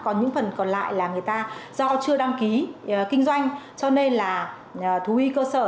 có những phần còn lại là người ta do chưa đăng ký kinh doanh cho nên là thú y cơ sở